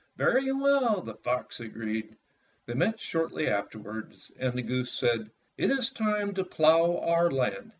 "Very well," the fox agreed. They met shortly afterward, and the goose said, "It is time to plough our land."